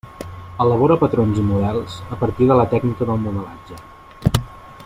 Elabora patrons i models a partir de la tècnica del modelatge.